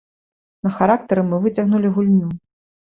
На характары мы выцягнулі гульню.